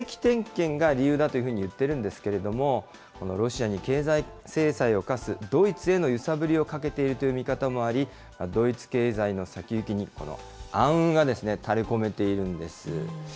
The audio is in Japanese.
これ、定期点検が理由だというふうにいってるんですけれども、このロシアに経済制裁を科すドイツへの揺さぶりをかけているという見方もあり、ドイツ経済の先行きに暗雲がたれこめているんです。